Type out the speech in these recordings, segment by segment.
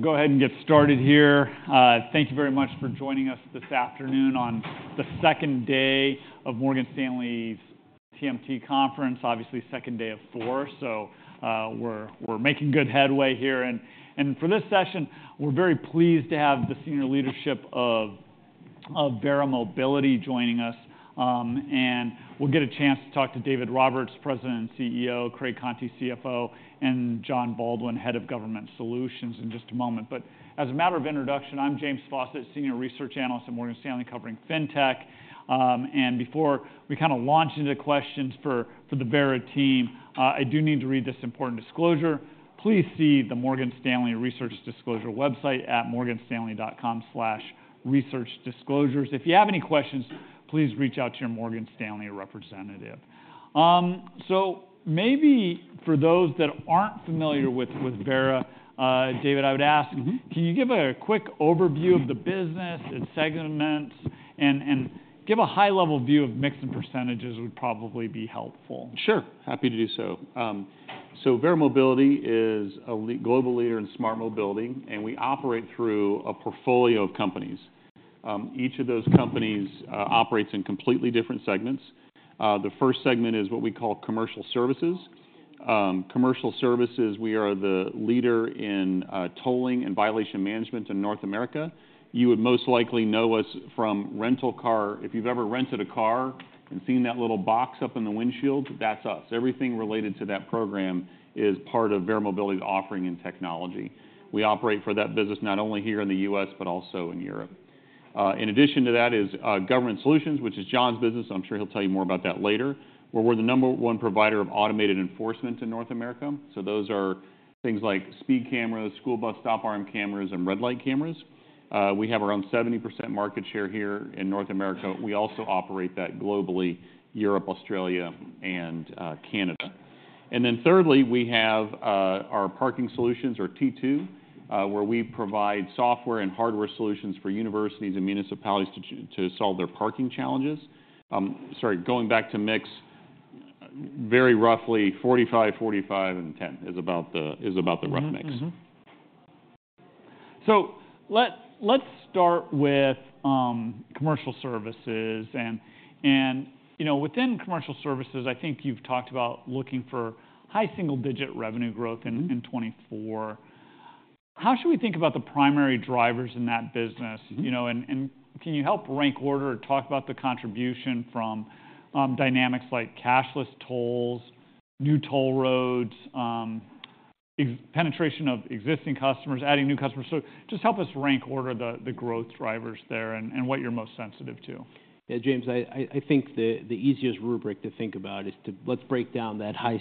Go ahead and get started here. Thank you very much for joining us this afternoon on the second day of Morgan Stanley's TMT Conference, obviously second day of four, so we're making good headway here. For this session, we're very pleased to have the senior leadership of Verra Mobility joining us, and we'll get a chance to talk to David Roberts, President and CEO, Craig Conti, CFO, and Jon Baldwin, Head of Government Solutions, in just a moment. As a matter of introduction, I'm James Faucette, Senior Research Analyst at Morgan Stanley covering FinTech. Before we kind of launch into questions for the Verra team, I do need to read this important disclosure. Please see the Morgan Stanley Research Disclosure website at morganstanley.com/researchdisclosures. If you have any questions, please reach out to your Morgan Stanley representative. Maybe for those that aren't familiar with Verra, David, I would ask, can you give a quick overview of the business and segments, and give a high-level view of mix and percentages would probably be helpful? Sure, happy to do so. So Verra Mobility is a global leader in smart mobility, and we operate through a portfolio of companies. Each of those companies operates in completely different segments. The first segment is what we call Commercial Services. Commercial Services, we are the leader in tolling and violation management in North America. You would most likely know us from rental car. If you've ever rented a car and seen that little box up in the windshield, that's us. Everything related to that program is part of Verra Mobility's offering and technology. We operate for that business not only here in the U.S. but also in Europe. In addition to that is Government Solutions, which is Jon's business, I'm sure he'll tell you more about that later, where we're the number one provider of automated enforcement in North America. So those are things like speed cameras, school bus stop-arm cameras, and red light cameras. We have around 70% market share here in North America. We also operate that globally, Europe, Australia, and Canada. And then thirdly, we have our Parking Solutions, or T2, where we provide software and hardware solutions for universities and municipalities to solve their parking challenges. Sorry, going back to mix, very roughly, 45, 45, and 10 is about the rough mix. So let's start with Commercial Services. And within Commercial Services, I think you've talked about looking for high single-digit revenue growth in 2024. How should we think about the primary drivers in that business? And can you help rank order or talk about the contribution from dynamics like cashless tolls, new toll roads, penetration of existing customers, adding new customers? So just help us rank order the growth drivers there and what you're most sensitive to. Yeah, James, I think the easiest rubric to think about is to let's break down that high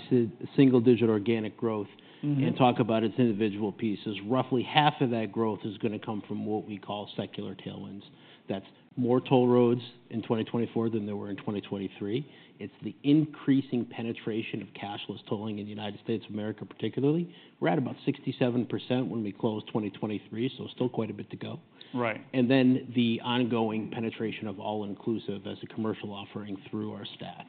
single-digit organic growth and talk about its individual pieces. Roughly half of that growth is going to come from what we call secular tailwinds. That's more toll roads in 2024 than there were in 2023. It's the increasing penetration of cashless tolling in the United States of America, particularly. We're at about 67% when we closed 2023, so still quite a bit to go. And then the ongoing penetration of all-inclusive as a commercial offering through our stack.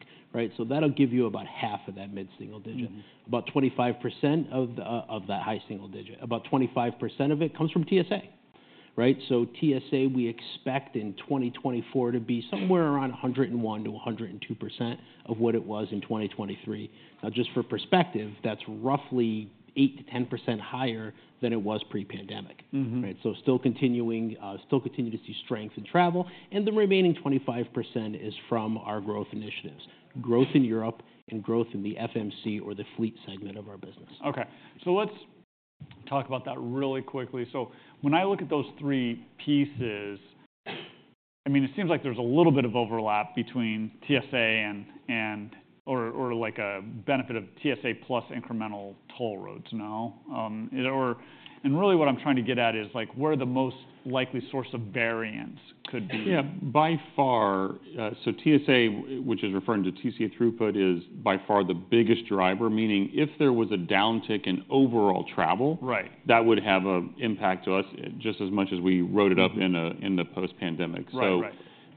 So that'll give you about half of that mid-single digit. About 25% of that high single digit, about 25% of it comes from TSA. So TSA, we expect in 2024 to be somewhere around 101%-102% of what it was in 2023. Now, just for perspective, that's roughly 8%-10% higher than it was pre-pandemic. So still continuing to see strength in travel. And the remaining 25% is from our growth initiatives, growth in Europe, and growth in the FMC or the fleet segment of our business. OK, so let's talk about that really quickly. When I look at those three pieces, I mean, it seems like there's a little bit of overlap between TSA and or a benefit of TSA plus incremental toll roads, no? Really what I'm trying to get at is where the most likely source of variance could be. Yeah, by far, so TSA, which is referring to TSA throughput, is by far the biggest driver, meaning if there was a downtick in overall travel, that would have an impact to us just as much as we wrote it up in the post-pandemic. So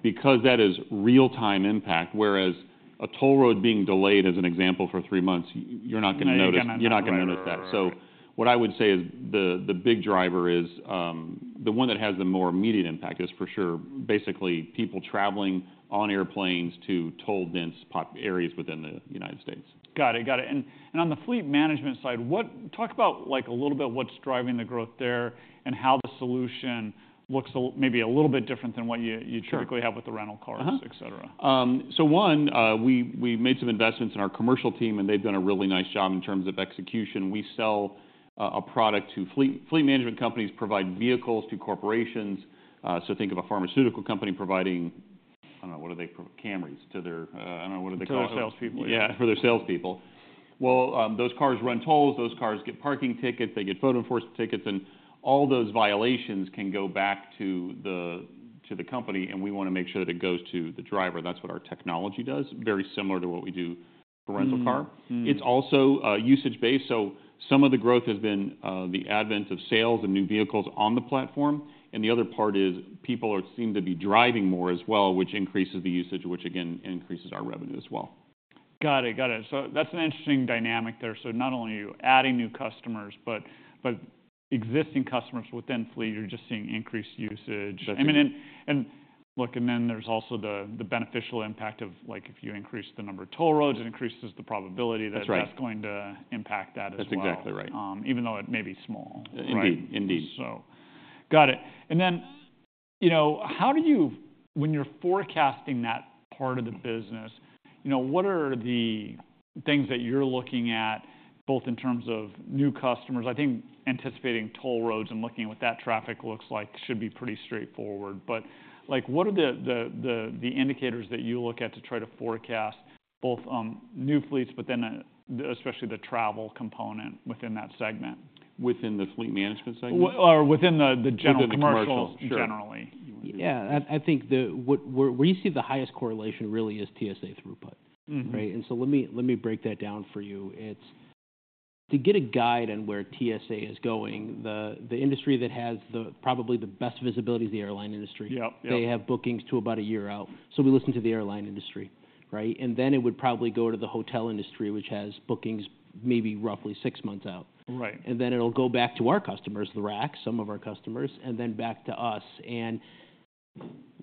because that is real-time impact, whereas a toll road being delayed, as an example, for three months, you're not going to notice that. So what I would say is the big driver is the one that has the more immediate impact is for sure, basically, people traveling on airplanes to toll-dense areas within the United States. Got it, got it. On the fleet management side, talk about a little bit what's driving the growth there and how the solution looks maybe a little bit different than what you typically have with the rental cars, et cetera. So one, we made some investments in our commercial team, and they've done a really nice job in terms of execution. We sell a product to fleet management companies, provide vehicles to corporations. So think of a pharmaceutical company providing I don't know, what do they Camrys to their I don't know, what do they call it? To their salespeople, yeah. Yeah, for their salespeople. Well, those cars run tolls. Those cars get parking tickets. They get photo enforcement tickets. And all those violations can go back to the company, and we want to make sure that it goes to the driver. That's what our technology does, very similar to what we do for rental car. It's also usage-based. So some of the growth has been the advent of sales and new vehicles on the platform. And the other part is people seem to be driving more as well, which increases the usage, which, again, increases our revenue as well. Got it, got it. So that's an interesting dynamic there. So not only are you adding new customers, but existing customers within fleet, you're just seeing increased usage. I mean, and look, and then there's also the beneficial impact of if you increase the number of toll roads, it increases the probability that that's going to impact that as well, even though it may be small. Indeed, indeed. Got it. And then how do you, when you're forecasting that part of the business, what are the things that you're looking at both in terms of new customers? I think anticipating toll roads and looking at what that traffic looks like should be pretty straightforward. But what are the indicators that you look at to try to forecast both new fleets, but then especially the travel component within that segment? Within the fleet management segment? Or within the general commercial, generally. Yeah, I think where you see the highest correlation really is TSA throughput. And so let me break that down for you. To get a guide on where TSA is going, the industry that has probably the best visibility is the airline industry. They have bookings to about a year out. So we listen to the airline industry. And then it would probably go to the hotel industry, which has bookings maybe roughly six months out. And then it'll go back to our customers, the RACs, some of our customers, and then back to us. And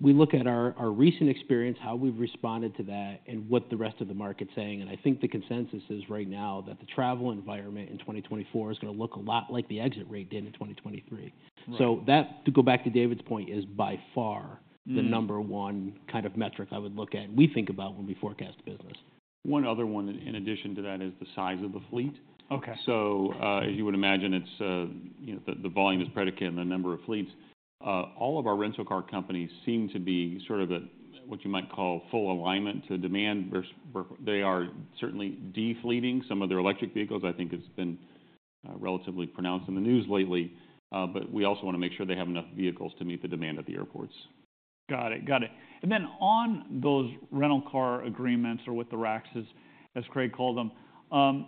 we look at our recent experience, how we've responded to that, and what the rest of the market's saying. And I think the consensus is right now that the travel environment in 2024 is going to look a lot like the exit rate did in 2023. So that, to go back to David's point, is by far the number one kind of metric I would look at and we think about when we forecast business. One other one in addition to that is the size of the fleet. So as you would imagine, the volume is predicated, and the number of fleets. All of our rental car companies seem to be sort of at what you might call full alignment to demand. They are certainly de-fleeting. Some of their electric vehicles, I think, has been relatively pronounced in the news lately. But we also want to make sure they have enough vehicles to meet the demand at the airports. Got it, got it. And then on those rental car agreements or with the RACs, as Craig called them,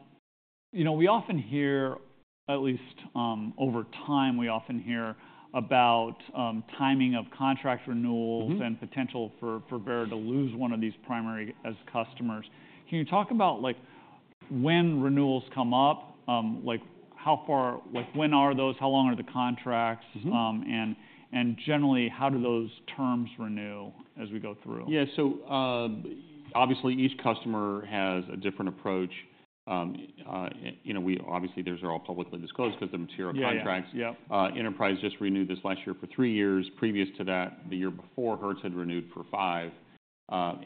we often hear, at least over time, we often hear about timing of contract renewals and potential for Verra to lose one of these primary customers. Can you talk about when renewals come up, like when are those, how long are the contracts, and generally how do those terms renew as we go through? Yeah, so obviously each customer has a different approach. Obviously, those are all publicly disclosed because they're material contracts. Enterprise just renewed this last year for three years. Previous to that, the year before, Hertz had renewed for 5.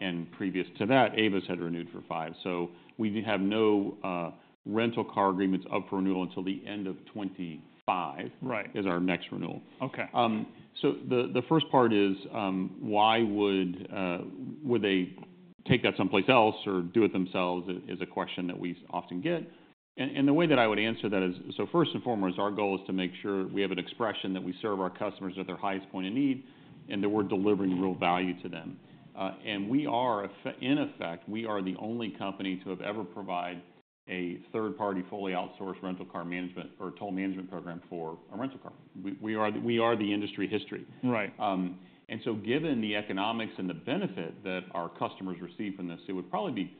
And previous to that, Avis had renewed for 5. So we have no rental car agreements up for renewal until the end of 2025 is our next renewal. So the first part is, would they take that someplace else or do it themselves is a question that we often get. And the way that I would answer that is, so first and foremost, our goal is to make sure we have an expression that we serve our customers at their highest point of need and that we're delivering real value to them. In effect, we are the only company to have ever provided a third-party fully outsourced rental car management or toll management program for a rental car. We are the industry history. And so given the economics and the benefit that our customers receive from this, it would probably be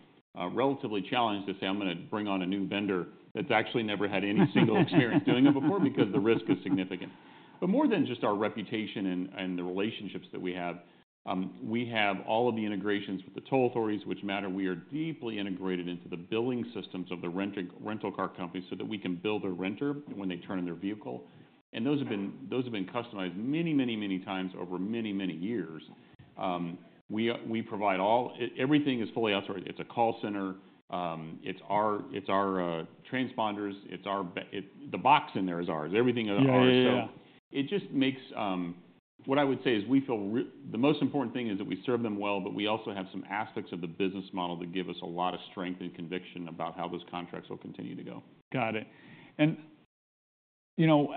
relatively challenging to say, I'm going to bring on a new vendor that's actually never had any single experience doing it before because the risk is significant. But more than just our reputation and the relationships that we have, we have all of the integrations with the toll authorities, which matter. We are deeply integrated into the billing systems of the rental car companies so that we can bill their renter when they turn in their vehicle. And those have been customized many, many, many times over many, many years. Everything is fully outsourced. It's a call center. It's our transponders. The box in there is ours. Everything is ours. So it just makes what I would say is we feel the most important thing is that we serve them well, but we also have some aspects of the business model that give us a lot of strength and conviction about how those contracts will continue to go. Got it.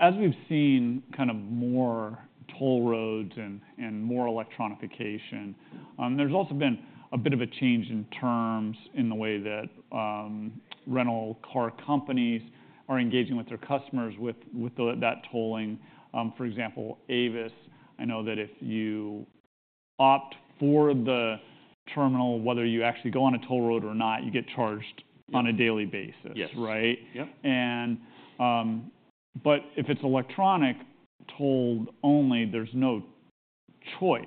As we've seen kind of more toll roads and more electronification, there's also been a bit of a change in terms of the way that rental car companies are engaging with their customers with that tolling. For example, Avis, I know that if you opt for the terminal, whether you actually go on a toll road or not, you get charged on a daily basis. But if it's electronic, tolled only, there's no choice.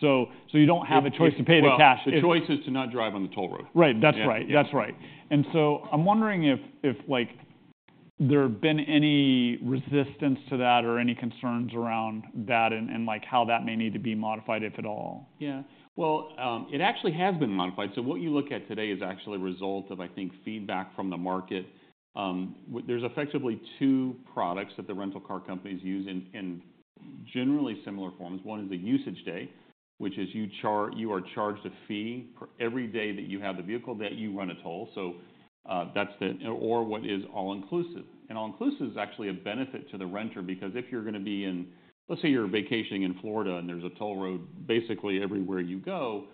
So you don't have a choice to pay the cash. Well, the choice is to not drive on the toll road. Right, that's right, that's right. And so I'm wondering if there have been any resistance to that or any concerns around that and how that may need to be modified, if at all? Yeah, well, it actually has been modified. So what you look at today is actually a result of, I think, feedback from the market. There's effectively two products that the rental car companies use in generally similar forms. One is the usage day, which is you are charged a fee every day that you have the vehicle that you run a toll. So that's the or what is all-inclusive. And all-inclusive is actually a benefit to the renter because if you're going to be in, let's say you're vacationing in Florida and there's a toll road basically everywhere you go,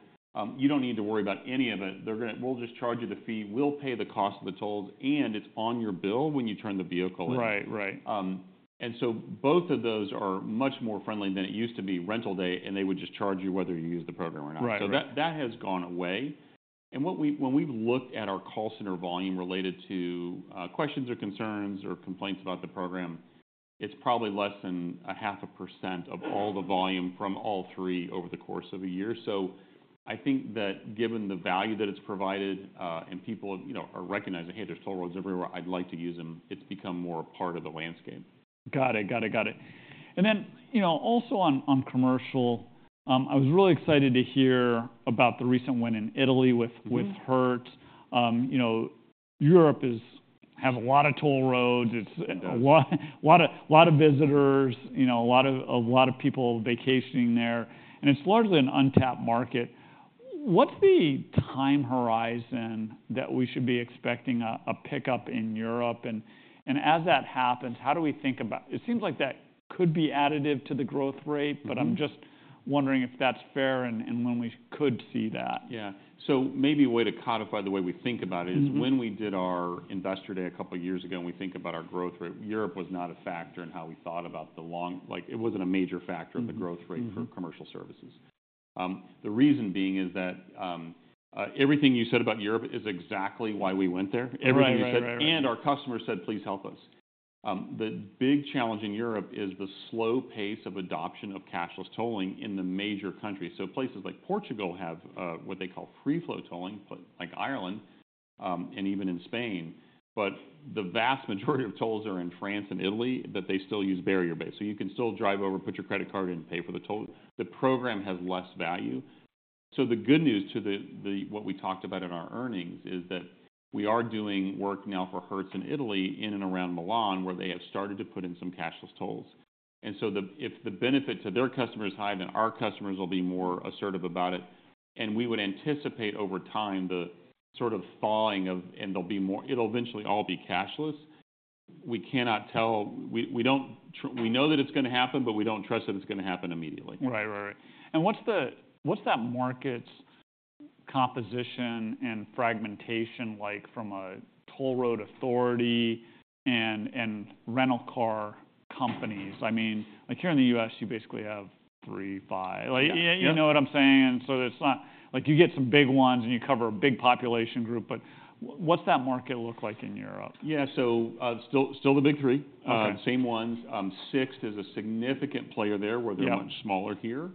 you don't need to worry about any of it. We'll just charge you the fee. We'll pay the cost of the tolls. And it's on your bill when you turn the vehicle in. So both of those are much more friendly than it used to be. Rental, they'd just charge you whether you use the program or not. So that has gone away. And when we've looked at our call center volume related to questions or concerns or complaints about the program, it's probably less than 0.5% of all the volume from all three over the course of a year. So I think that given the value that it's provided and people are recognizing, hey, there's toll roads everywhere. I'd like to use them. It's become more a part of the landscape. Got it, got it, got it. And then also on commercial, I was really excited to hear about the recent win in Italy with Hertz. Europe has a lot of toll roads. It's a lot of visitors, a lot of people vacationing there. And it's largely an untapped market. What's the time horizon that we should be expecting a pickup in Europe? And as that happens, how do we think about it? It seems like that could be additive to the growth rate, but I'm just wondering if that's fair and when we could see that. Yeah, so maybe a way to codify the way we think about it is when we did our investor day a couple of years ago, and we think about our growth rate, Europe was not a factor in how we thought about the long it wasn't a major factor of the growth rate for Commercial Services. The reason being is that everything you said about Europe is exactly why we went there. Everything you said, and our customers said, please help us. The big challenge in Europe is the slow pace of adoption of cashless tolling in the major countries. So places like Portugal have what they call free-flow tolling, like Ireland and even in Spain. But the vast majority of tolls are in France and Italy that they still use barrier-based. So you can still drive over, put your credit card in, pay for the toll. The program has less value. So the good news to what we talked about in our earnings is that we are doing work now for Hertz in Italy in and around Milan, where they have started to put in some cashless tolls. And so if the benefit to their customers is high, then our customers will be more assertive about it. And we would anticipate over time the sort of thawing of and it'll eventually all be cashless. We cannot tell. We know that it's going to happen, but we don't trust that it's going to happen immediately. Right, right, right. And what's that market's composition and fragmentation like from a toll road authority and rental car companies? I mean, here in the U.S., you basically have 3, 5. You know what I'm saying? And so it's not like you get some big ones, and you cover a big population group. But what's that market look like in Europe? Yeah, so still the big three, same ones. Sixt is a significant player there, where they're much smaller here.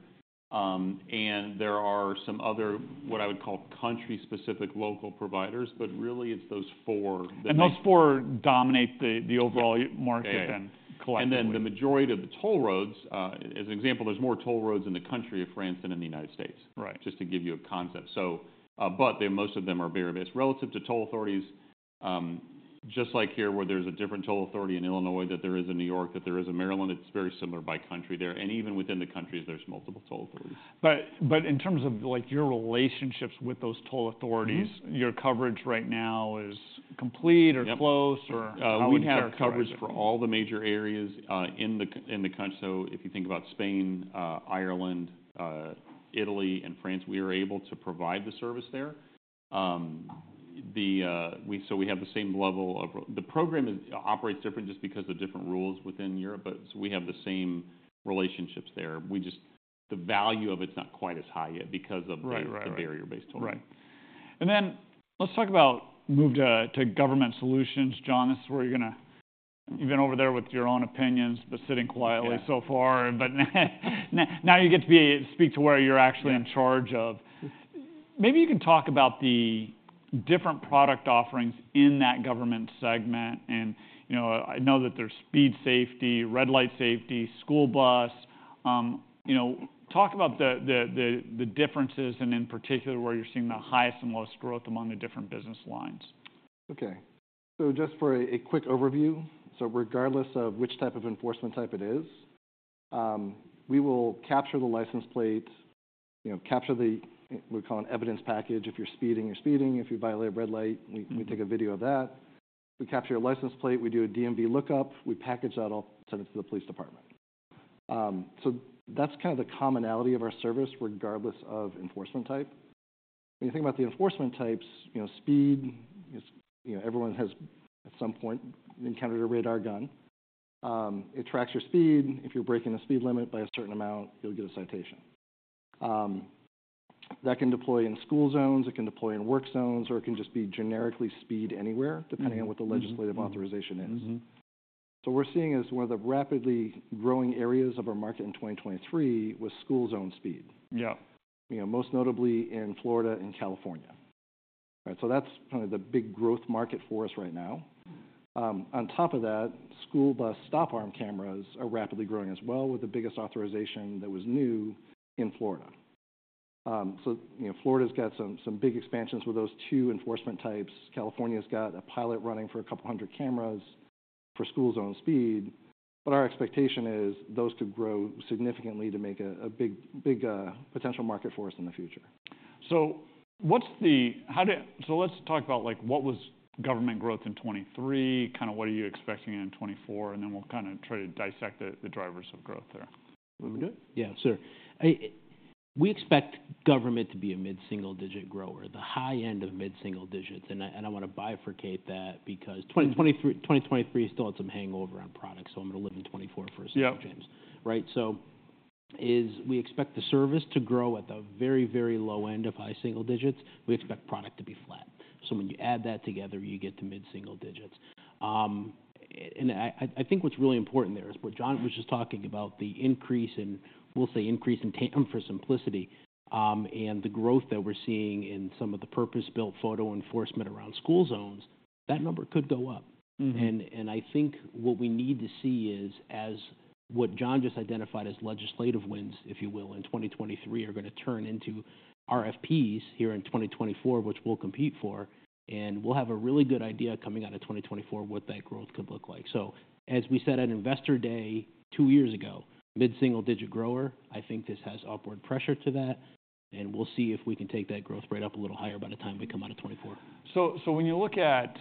And there are some other what I would call country-specific local providers. But really, it's those four that. Those four dominate the overall market then collectively? And then the majority of the toll roads as an example, there's more toll roads in the country of France than in the United States, just to give you a concept. But most of them are barrier-based relative to toll authorities, just like here, where there's a different toll authority in Illinois than there is in New York, that there is in Maryland. It's very similar by country there. Even within the countries, there's multiple toll authorities. But in terms of your relationships with those toll authorities, your coverage right now is complete or close, or how would you characterize it? We have coverage for all the major areas in the country. So if you think about Spain, Ireland, Italy, and France, we are able to provide the service there. So we have the same level of the program operates different just because of different rules within Europe. But we have the same relationships there. The value of it's not quite as high yet because of the barrier-based tolling. Right, right. And then let's talk about move to Government Solutions, Jon. This is where you're going to you've been over there with your own opinions, but sitting quietly so far. But now you get to speak to where you're actually in charge of. Maybe you can talk about the different product offerings in that government segment. And I know that there's speed safety, red light safety, school bus. Talk about the differences and in particular where you're seeing the highest and lowest growth among the different business lines. OK, so just for a quick overview, so regardless of which type of enforcement type it is, we will capture the license plate, capture what we call an evidence package. If you're speeding, you're speeding. If you violate a red light, we take a video of that. We capture your license plate. We do a DMV lookup. We package that all, send it to the police department. So that's kind of the commonality of our service regardless of enforcement type. When you think about the enforcement types, speed, everyone has at some point encountered a radar gun. It tracks your speed. If you're breaking the speed limit by a certain amount, you'll get a citation. That can deploy in school zones. It can deploy in work zones. Or it can just be generically speed anywhere, depending on what the legislative authorization is. So what we're seeing is one of the rapidly growing areas of our market in 2023 was school zone speed, most notably in Florida and California. So that's kind of the big growth market for us right now. On top of that, school bus stop-arm cameras are rapidly growing as well, with the biggest authorization that was new in Florida. So Florida's got some big expansions with those two enforcement types. California's got a pilot running for 200 cameras for school zone speed. But our expectation is those could grow significantly to make a big potential market for us in the future. Let's talk about what was government growth in 2023, kind of what are you expecting in 2024? Then we'll kind of try to dissect the drivers of growth there. Let me do it. Yeah, sure. We expect government to be a mid-single digit grower, the high end of mid-single digits. I want to bifurcate that because 2023 still had some hangover on products. I'm going to live in 2024 for a second, James. We expect the service to grow at the very, very low end of high single digits. We expect product to be flat. So when you add that together, you get to mid-single digits. I think what's really important there is what John was just talking about, the increase in we'll say increase in TAM for simplicity and the growth that we're seeing in some of the purpose-built photo enforcement around school zones, that number could go up. I think what we need to see is as what John just identified as legislative wins, if you will, in 2023 are going to turn into RFPs here in 2024, which we'll compete for. We'll have a really good idea coming out of 2024 what that growth could look like. As we said at investor day two years ago, mid-single digit grower. I think this has upward pressure to that. We'll see if we can take that growth rate up a little higher by the time we come out of 2024. So when you look at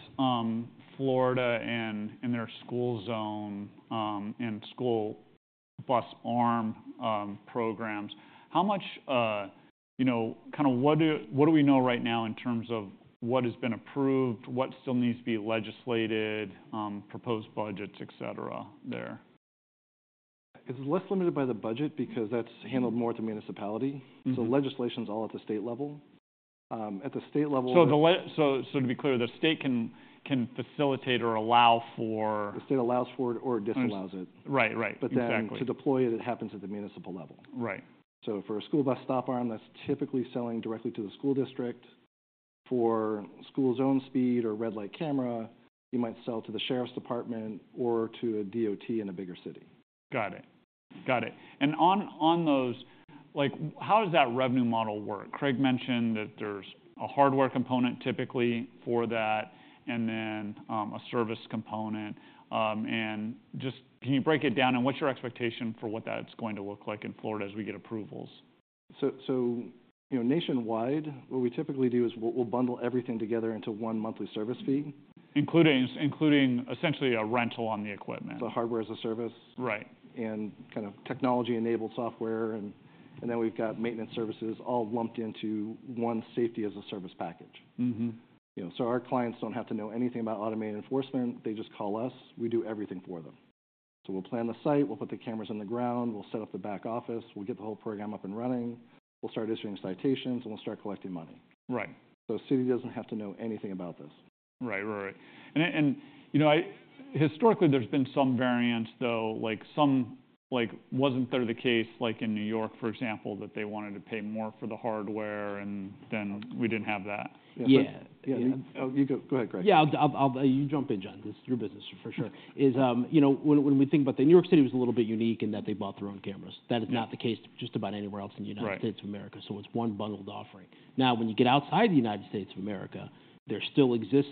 Florida and their school zone and school bus arm programs, how much kind of what do we know right now in terms of what has been approved, what still needs to be legislated, proposed budgets, et cetera there? It's less limited by the budget because that's handled more at the municipality. Legislation's all at the state level. At the state level. To be clear, the state can facilitate or allow for. The state allows for it or disallows it. Right, right, exactly. But then to deploy it, it happens at the municipal level. So for a school bus stop-arm, that's typically selling directly to the school district. For school zone speed or red light camera, you might sell to the sheriff's department or to a DOT in a bigger city. Got it, got it. And on those, how does that revenue model work? Craig mentioned that there's a hardware component typically for that and then a service component. And just can you break it down? And what's your expectation for what that's going to look like in Florida as we get approvals? Nationwide, what we typically do is we'll bundle everything together into one monthly service fee. Including essentially a rental on the equipment. The hardware as a service and kind of technology-enabled software. Then we've got maintenance services all lumped into one safety as a service package. So our clients don't have to know anything about automated enforcement. They just call us. We do everything for them. So we'll plan the site. We'll put the cameras in the ground. We'll set up the back office. We'll get the whole program up and running. We'll start issuing citations. And we'll start collecting money. So the city doesn't have to know anything about this. Right, right, right. Historically, there's been some variance, though. Wasn't that the case in New York, for example, that they wanted to pay more for the hardware? Then we didn't have that. Yeah, yeah. Go ahead, Craig. Yeah. You jump in, Jon. This is your business for sure. When we think about that, New York City was a little bit unique in that they bought their own cameras. That is not the case just about anywhere else in the United States of America. So it's one bundled offering. Now, when you get outside the United States of America, there still exists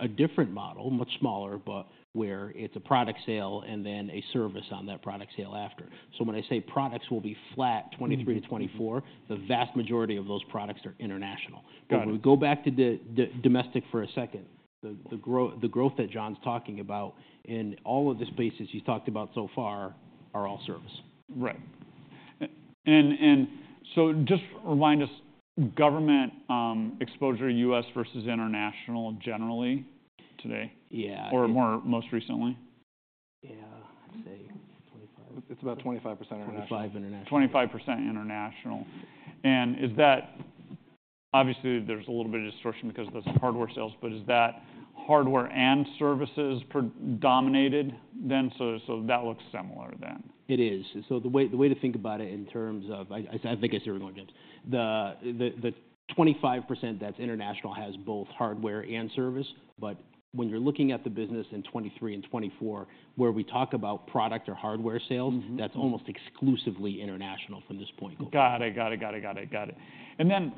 a different model, much smaller, but where it's a product sale and then a service on that product sale after. So when I say products will be flat 2023 to 2024, the vast majority of those products are international. But when we go back to domestic for a second, the growth that Jon's talking about in all of the spaces he's talked about so far are all service. Right. Just remind us, government exposure, U.S. versus international generally today or most recently? Yeah, I'd say 25. It's about 25% international. 25% international. Obviously, there's a little bit of distortion because of those hardware sales. But is that hardware and services predominated then? So that looks similar then. It is. So the way to think about it in terms of I think I said it wrong, James. The 25% that's international has both hardware and service. But when you're looking at the business in 2023 and 2024, where we talk about product or hardware sales, that's almost exclusively international from this point going forward. Got it, got it, got it, got it, got it. And then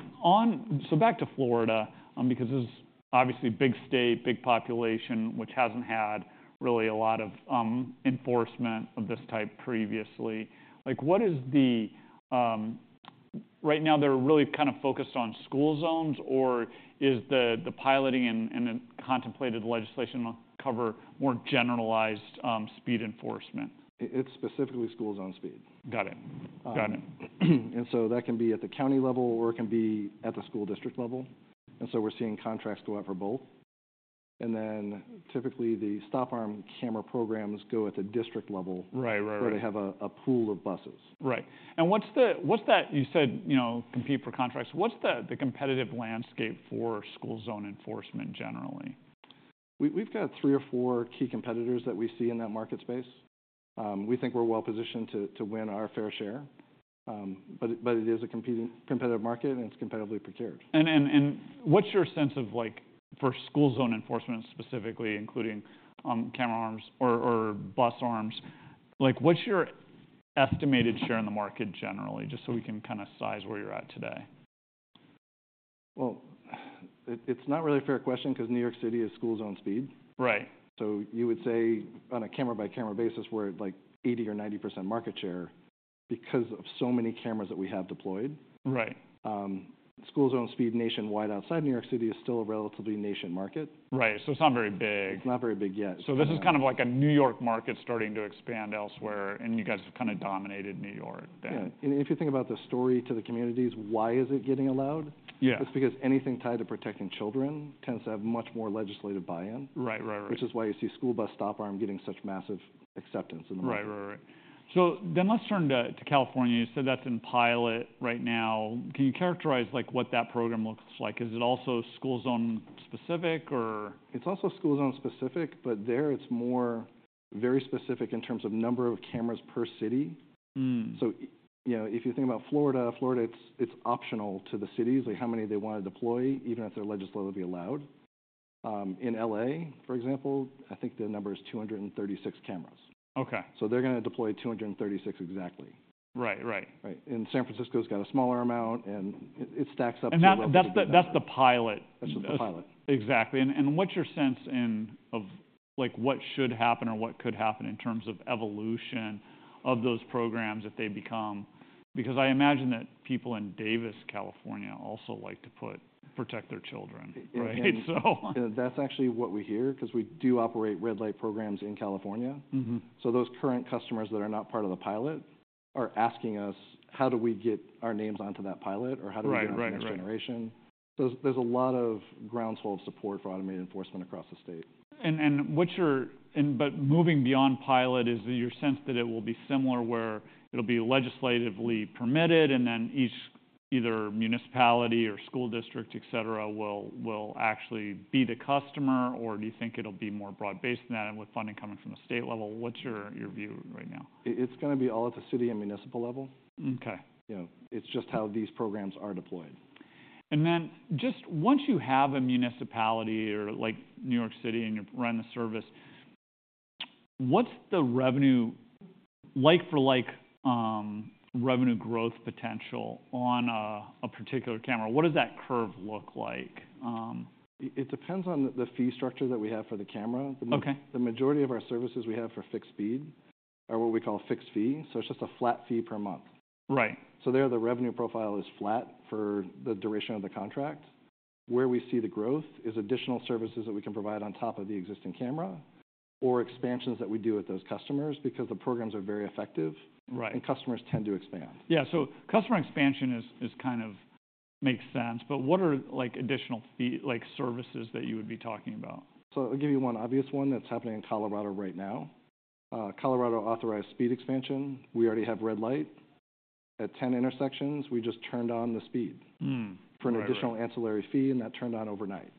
so back to Florida because this is obviously big state, big population, which hasn't had really a lot of enforcement of this type previously. Right now, they're really kind of focused on school zones. Or is the piloting and the contemplated legislation cover more generalized speed enforcement? It's specifically school zone speed. Got it, got it. That can be at the county level, or it can be at the school district level. We're seeing contracts go out for both. Typically, the stop-arm camera programs go at the district level where they have a pool of buses. Right. And what's that you said compete for contracts? What's the competitive landscape for school zone enforcement generally? We've got three or four key competitors that we see in that market space. We think we're well positioned to win our fair share. But it is a competitive market. And it's competitively procured. What's your sense of for school zone enforcement specifically, including camera arms or bus arms? What's your estimated share in the market generally, just so we can kind of size where you're at today? Well, it's not really a fair question because New York City is school zone speed. So you would say on a camera-by-camera basis, we're at like 80% or 90% market share because of so many cameras that we have deployed. School zone speed nationwide outside New York City is still a relatively nascent market. Right, so it's not very big. It's not very big yet. This is kind of like a New York market starting to expand elsewhere. You guys have kind of dominated New York then. Yeah. If you think about the story to the communities, why is it getting allowed? It's because anything tied to protecting children tends to have much more legislative buy-in, which is why you see school bus stop-arm getting such massive acceptance in the market. Right, right, right. Let's turn to California. You said that's in pilot right now. Can you characterize what that program looks like? Is it also school zone specific, or? It's also school zone specific. But there, it's more very specific in terms of number of cameras per city. So if you think about Florida, Florida, it's optional to the cities how many they want to deploy, even if their legislator would be allowed. In L.A., for example, I think the number is 236 cameras. So they're going to deploy 236 exactly. Right, right. San Francisco's got a smaller amount. It stacks up to a level of. That's the pilot. That's just the pilot. Exactly. What's your sense of what should happen or what could happen in terms of evolution of those programs if they become because I imagine that people in Davis, California also like to protect their children, right? That's actually what we hear because we do operate red light programs in California. So those current customers that are not part of the pilot are asking us, how do we get our names onto that pilot? Or how do we get our names to the next generation? So there's a lot of groundswell of support for automated enforcement across the state. But moving beyond pilot, is it your sense that it will be similar where it'll be legislatively permitted? And then each either municipality or school district, et cetera, will actually be the customer? Or do you think it'll be more broad-based than that and with funding coming from the state level? What's your view right now? It's going to be all at the city and municipal level. It's just how these programs are deployed. Just once you have a municipality or New York City and you run the service, what's the revenue like-for-like revenue growth potential on a particular camera? What does that curve look like? It depends on the fee structure that we have for the camera. The majority of our services we have for fixed speed are what we call fixed fee. So it's just a flat fee per month. So there, the revenue profile is flat for the duration of the contract. Where we see the growth is additional services that we can provide on top of the existing camera or expansions that we do with those customers because the programs are very effective. And customers tend to expand. Yeah, so customer expansion kind of makes sense. But what are additional services that you would be talking about? So I'll give you one obvious one that's happening in Colorado right now. Colorado authorized speed expansion. We already have red light at 10 intersections. We just turned on the speed for an additional ancillary fee. And that turned on overnight.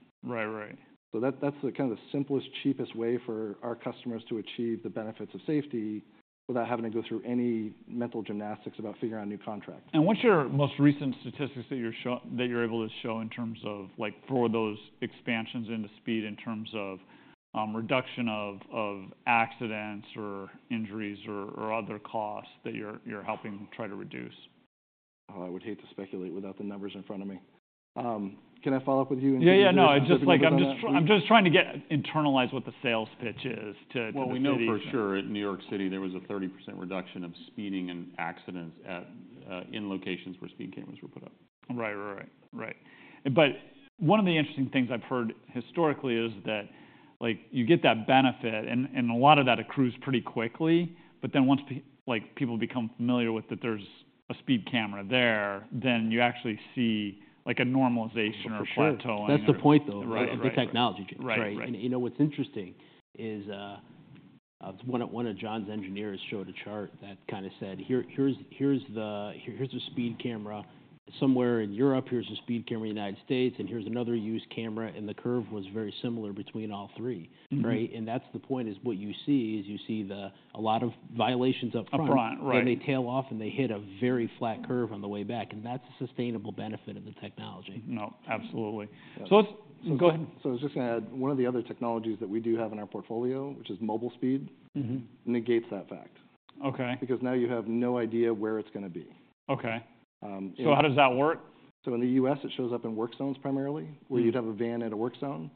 So that's kind of the simplest, cheapest way for our customers to achieve the benefits of safety without having to go through any mental gymnastics about figuring out a new contract. What's your most recent statistics that you're able to show in terms of for those expansions into speed in terms of reduction of accidents or injuries or other costs that you're helping try to reduce? I would hate to speculate without the numbers in front of me. Can I follow up with you? Yeah, yeah, no. I'm just trying to internalize what the sales pitch is to the city. Well, we know for sure at New York City, there was a 30% reduction of speeding and accidents in locations where speed cameras were put up. Right, right, right. But one of the interesting things I've heard historically is that you get that benefit. And a lot of that accrues pretty quickly. But then once people become familiar with that there's a speed camera there, then you actually see a normalization or plateauing. That's the point, though, of the technology, right? And what's interesting is one of Jon's engineers showed a chart that kind of said, here's the speed camera. Somewhere in Europe, here's a speed camera in the United States. And here's another used camera. And the curve was very similar between all three, right? And that's the point is what you see is you see a lot of violations up front. And they tail off. And they hit a very flat curve on the way back. And that's a sustainable benefit of the technology. No, absolutely. So go ahead. I was just going to add one of the other technologies that we do have in our portfolio, which is mobile speed, negates that fact because now you have no idea where it's going to be. OK, so how does that work? So in the U.S., it shows up in work zones primarily where you'd have a van at a work zone.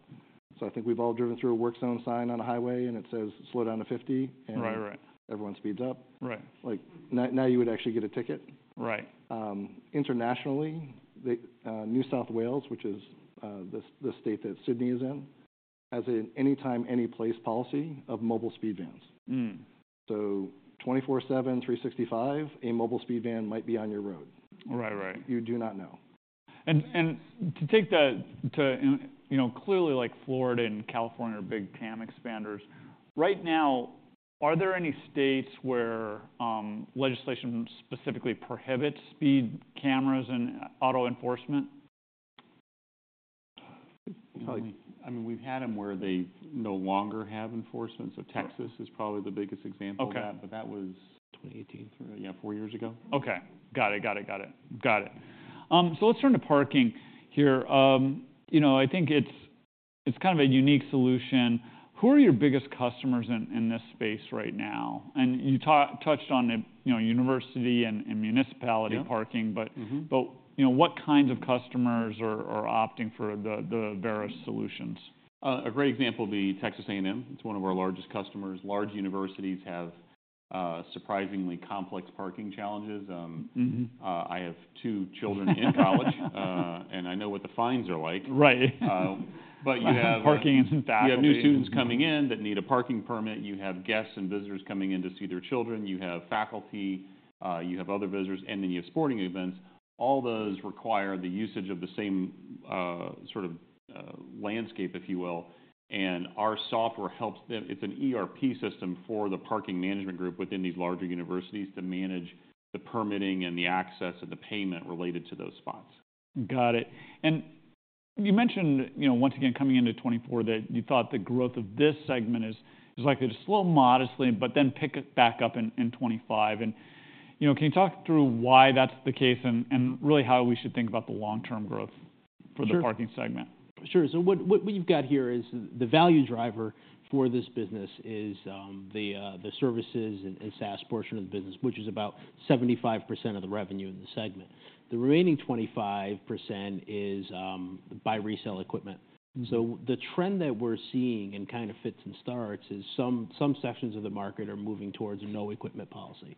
So I think we've all driven through a work zone sign on a highway. And it says, slow down to 50. And everyone speeds up. Now you would actually get a ticket. Internationally, New South Wales, which is the state that Sydney is in, has an anytime, any place policy of mobile speed vans. So 24/7, 365, a mobile speed van might be on your road. You do not know. And to take that, too, clearly, like, Florida and California are big cam expanders right now. Are there any states where legislation specifically prohibits speed cameras and auto enforcement? I mean, we've had them where they no longer have enforcement. So Texas is probably the biggest example of that. But that was. 2018, 3 or. Yeah, four years ago. OK, got it, got it, got it, got it. Let's turn to parking here. I think it's kind of a unique solution. Who are your biggest customers in this space right now? You touched on university and municipality parking. What kinds of customers are opting for the various solutions? A great example would be Texas A&M. It's one of our largest customers. Large universities have surprisingly complex parking challenges. I have two children in college. And I know what the fines are like. Right. But you have. Parking isn't that easy. You have new students coming in that need a parking permit. You have guests and visitors coming in to see their children. You have faculty. You have other visitors. And then you have sporting events. All those require the usage of the same sort of landscape, if you will. And our software helps them. It's an ERP system for the parking management group within these larger universities to manage the permitting and the access and the payment related to those spots. Got it. And you mentioned, once again, coming into 2024, that you thought the growth of this segment is likely to slow modestly but then pick back up in 2025. And can you talk through why that's the case and really how we should think about the long-term growth for the parking segment? Sure. So what you've got here is the value driver for this business is the services and SaaS portion of the business, which is about 75% of the revenue in the segment. The remaining 25% is buy resale equipment. So the trend that we're seeing and kind of fits and starts is some sections of the market are moving towards a no-equipment policy,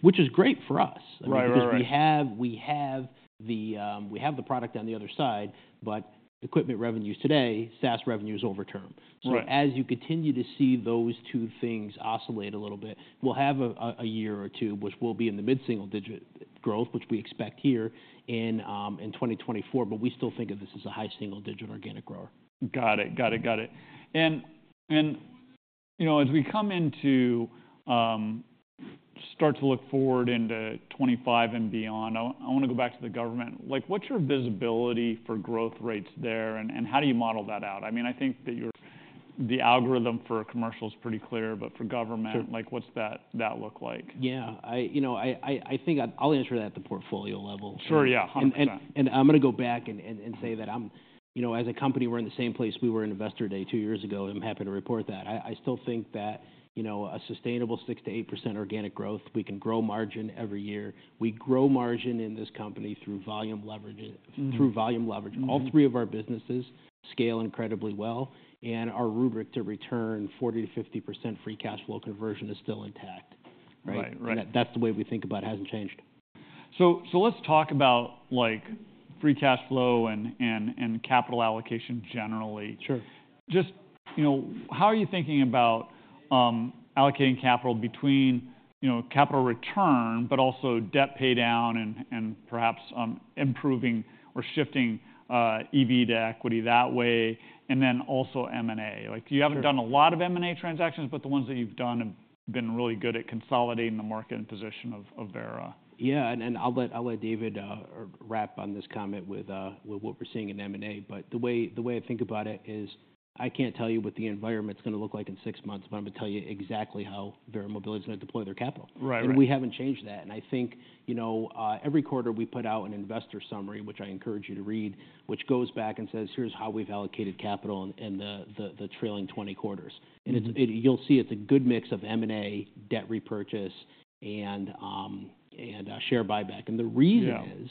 which is great for us because we have the product on the other side. But equipment revenues today, SaaS revenues over term. So as you continue to see those two things oscillate a little bit, we'll have a year or two, which will be in the mid-single digit growth, which we expect here in 2024. But we still think of this as a high single digit organic grower. Got it, got it, got it. And as we come into start to look forward into 2025 and beyond, I want to go back to the government. What's your visibility for growth rates there? And how do you model that out? I mean, I think that the algorithm for commercial is pretty clear. But for government, what's that look like? Yeah, I think I'll answer that at the portfolio level. Sure, yeah. I'm going to go back and say that as a company, we're in the same place we were in Investor Day two years ago. I'm happy to report that. I still think that a sustainable 6%-8% organic growth, we can grow margin every year. We grow margin in this company through volume leverage. All three of our businesses scale incredibly well. And our rubric to return 40%-50% free cash flow conversion is still intact. That's the way we think about it hasn't changed. Let's talk about free cash flow and capital allocation generally. Just how are you thinking about allocating capital between capital return but also debt paydown and perhaps improving or shifting EV to equity that way and then also M&A? You haven't done a lot of M&A transactions. But the ones that you've done have been really good at consolidating the market and position of Verra. Yeah, and I'll let David wrap on this comment with what we're seeing in M&A. But the way I think about it is I can't tell you what the environment's going to look like in six months. I'm going to tell you exactly how Verra Mobility is going to deploy their capital. We haven't changed that. I think every quarter, we put out an investor summary, which I encourage you to read, which goes back and says, here's how we've allocated capital in the trailing 20 quarters. You'll see it's a good mix of M&A, debt repurchase, and share buyback. The reason is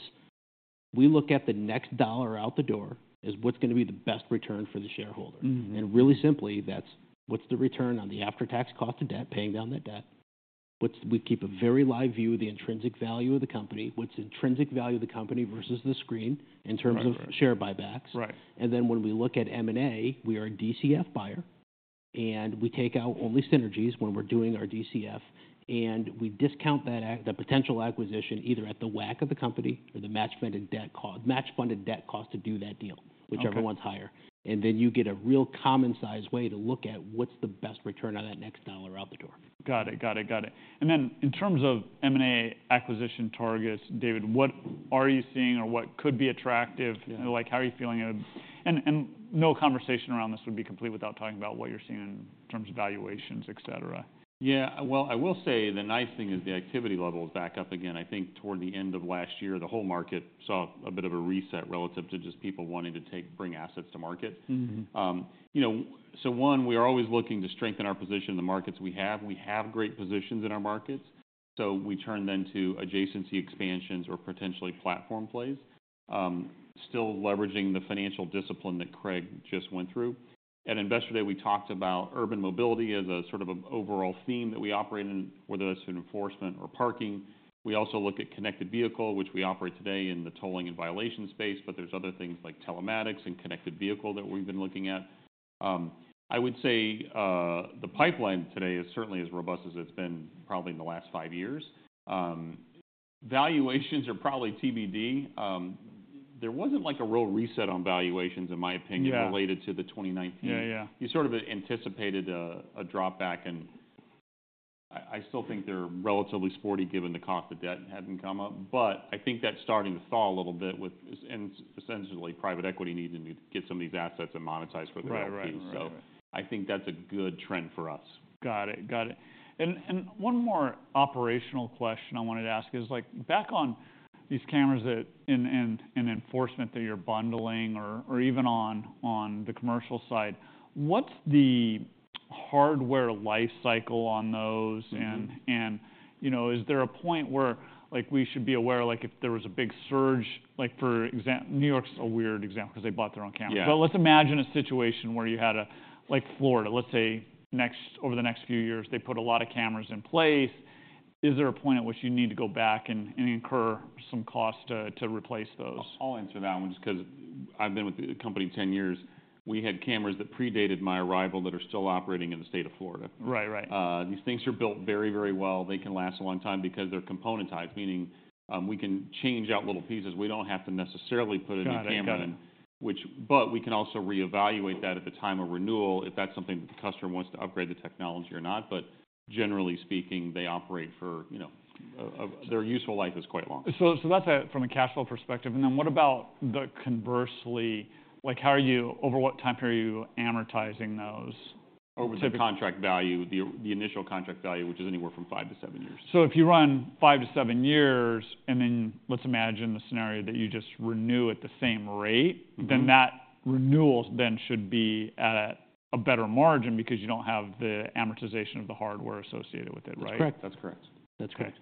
we look at the next dollar out the door as what's going to be the best return for the shareholder. Really simply, that's what's the return on the after-tax cost of debt paying down that debt. We keep a very live view of the intrinsic value of the company, what's intrinsic value of the company versus the screen in terms of share buybacks. Then when we look at M&A, we are a DCF buyer. And we take out only synergies when we're doing our DCF. And we discount the potential acquisition either at the WACC of the company or the match-funded debt cost to do that deal, whichever one's higher. And then you get a real common-sized way to look at what's the best return on that next dollar out the door. Got it, got it, got it. And then in terms of M&A acquisition targets, David, what are you seeing? Or what could be attractive? How are you feeling? And no conversation around this would be complete without talking about what you're seeing in terms of valuations, et cetera. Yeah, well, I will say the nice thing is the activity level is back up again. I think toward the end of last year, the whole market saw a bit of a reset relative to just people wanting to bring assets to market. So one, we are always looking to strengthen our position in the markets we have. We have great positions in our markets. So we turn then to adjacency expansions or potentially platform plays, still leveraging the financial discipline that Craig just went through. At Investor Day, we talked about urban mobility as a sort of overall theme that we operate in, whether that's in enforcement or parking. We also look at connected vehicle, which we operate today in the tolling and violation space. But there's other things like telematics and connected vehicle that we've been looking at. I would say the pipeline today is certainly as robust as it's been probably in the last five years. Valuations are probably TBD. There wasn't like a real reset on valuations, in my opinion, related to the 2019. You sort of anticipated a dropback. And I still think they're relatively sporty given the cost of debt having come up. But I think that's starting to thaw a little bit with, essentially, private equity needing to get some of these assets and monetize for their equity. So I think that's a good trend for us. Got it, got it. One more operational question I wanted to ask is back on these cameras and enforcement that you're bundling or even on the commercial side, what's the hardware lifecycle on those? And is there a point where we should be aware if there was a big surge? New York's a weird example because they bought their own cameras. But let's imagine a situation where you had a Florida, let's say, over the next few years, they put a lot of cameras in place. Is there a point at which you need to go back and incur some cost to replace those? I'll answer that one just because I've been with the company 10 years. We had cameras that predated my arrival that are still operating in the state of Florida. These things are built very, very well. They can last a long time because they're componentized, meaning we can change out little pieces. We don't have to necessarily put a new camera. But we can also reevaluate that at the time of renewal if that's something that the customer wants to upgrade the technology or not. But generally speaking, they operate for their useful life is quite long. That's from a cash flow perspective. Then what about the conversely? Over what time period are you amortizing those? Over the contract value, the initial contract value, which is anywhere from five-seven years. If you run five-seven years, and then let's imagine the scenario that you just renew at the same rate, then that renewal then should be at a better margin because you don't have the amortization of the hardware associated with it, right? That's correct. That's correct. That's correct.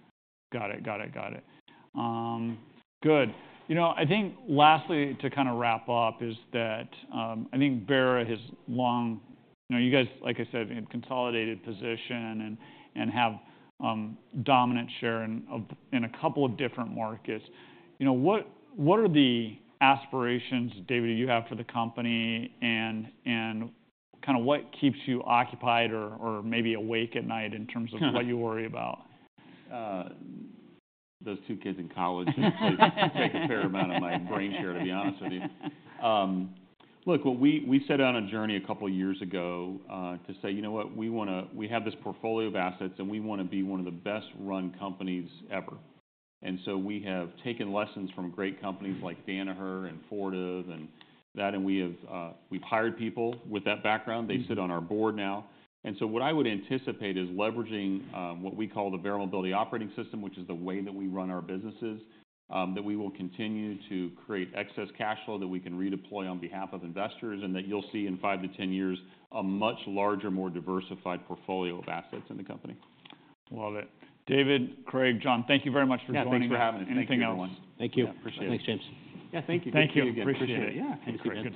Got it, got it, got it. Good. I think lastly, to kind of wrap up, is that I think Verra has long you guys, like I said, consolidated position and have a dominant share in a couple of different markets. What are the aspirations, David, you have for the company? And kind of what keeps you occupied or maybe awake at night in terms of what you worry about? Those two kids in college take a fair amount of my brain share, to be honest with you. Look, we set out on a journey a couple of years ago to say, you know what? We have this portfolio of assets. We want to be one of the best-run companies ever. So we have taken lessons from great companies like Danaher and Fortive. We've hired people with that background. They sit on our board now. So what I would anticipate is leveraging what we call the Verra Mobility Operating System, which is the way that we run our businesses, that we will continue to create excess cash flow that we can redeploy on behalf of investors. That you'll see in five-10 years a much larger, more diversified portfolio of assets in the company. Love it. David, Craig, Jon, thank you very much for joining us. Yeah, thanks for having us. Thank you, everyone. Thank you. Appreciate it. Thanks, James. Yeah, thank you. Thank you. Thank you. Appreciate it. Yeah. Thanks, again.